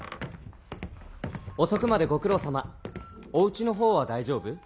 遅くまでご苦労さまお家のほうは大丈夫？